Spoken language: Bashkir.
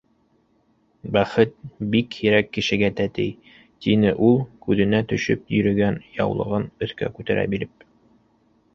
Бәхет бик һирәк кешегә тәтей, - тине ул, күҙенә төшөп йөрөгән яулығын өҫкә күтәрә биреп.